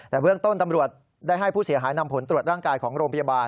แต่เบื้องต้นตำรวจได้ให้ผู้เสียหายนำผลตรวจร่างกายของโรงพยาบาล